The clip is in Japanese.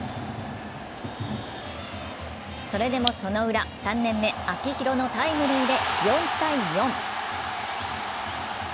それでもそのウラ、３年目・秋広のタイムリーで４−４。